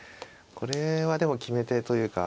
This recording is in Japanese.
これはでも決め手というか。